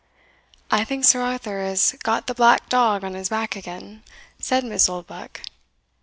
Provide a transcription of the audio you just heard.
"I think Sir Arthur has got the black dog on his back again," said Miss Oldbuck.